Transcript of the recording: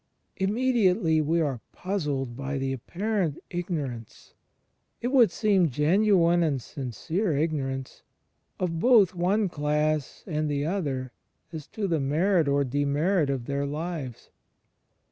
Immediately we are puzzled by the apparent ignorance — it would seem genuine and sincere ignorance — of both one class and the other as to the merit or demerit of their lives.